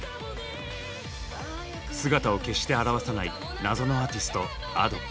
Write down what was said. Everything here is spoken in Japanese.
姿を決して現さない謎のアーティストＡｄｏ。